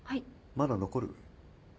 まだ残る？